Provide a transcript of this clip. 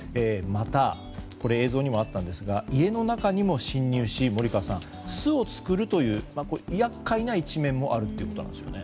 また、映像にもあったんですが家の中にも侵入し、森川さん巣を作るという、厄介な一面もあるということです。